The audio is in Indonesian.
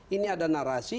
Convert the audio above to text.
ini ada narasi